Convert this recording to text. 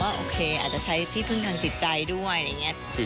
เราก็โอเคอาจจะใช้ที่พึ่งทางจิตใจด้วย